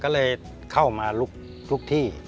ก็เลยเข้ามาลุกที่